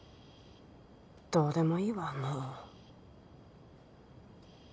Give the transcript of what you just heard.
どうでもいいわもう。